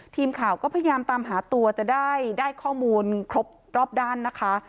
ทีมข่าวก็พยายามตามหาตัวจะได้ข้อมูลครบรอบด้านนะคะ